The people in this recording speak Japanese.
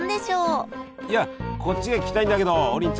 いやこっちが聞きたいんだけど王林ちゃん。